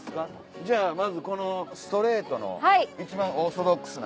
じゃあまずこのストレートの一番オーソドックスな。